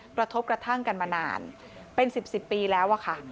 กระทบกระทั่งกันมานานเป็น๑๐ปีแล้วอะค่ะ